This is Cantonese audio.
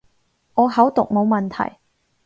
我口讀冇問題